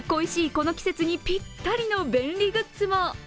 この季節にぴったりの便利グッズも。